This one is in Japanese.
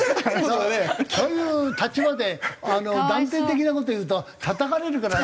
そういう立場で断定的な事言うとたたかれるから。